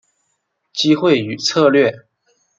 机会与策略